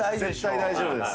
大丈夫。